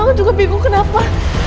jangan juga bingung kenapa